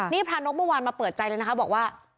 นี่พระนกเมื่อวานมาเปิดใจเลยนะคะบอกว่า